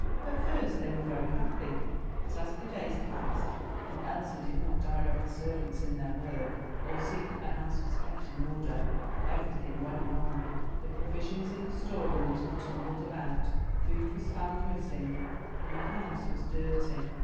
At first they were very happy, but as the days passed, and Elsa did not direct the servants in their work or see that the house was kept in order, every thing went wrong. The provisions in the storerooms were tumbled about, food was found missing, and the house was dirty.